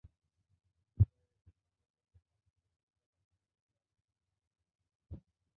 মুম্বাইয়ের একটি সংবাদমাধ্যম জানিয়েছে, শ্রদ্ধা কাপুর মাত্র কয়েকটি ঘণ্টার জন্য মুম্বাই আসেন।